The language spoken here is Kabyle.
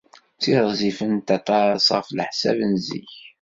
Tiɣzifemt aṭas ɣef leḥsab n zik.